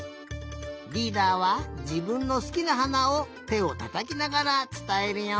リーダーはじぶんのすきなはなをてをたたきながらつたえるよ。